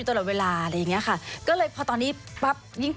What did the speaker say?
มันก็ไม่ใช่